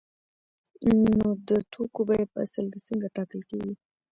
نو د توکو بیه په اصل کې څنګه ټاکل کیږي؟